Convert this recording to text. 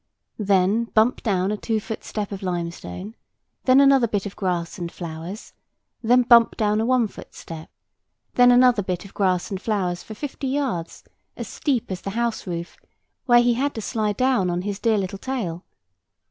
Then bump down a two foot step of limestone. Then another bit of grass and flowers. Then bump down a one foot step. Then another bit of grass and flowers for fifty yards, as steep as the house roof, where he had to slide down on his dear little tail.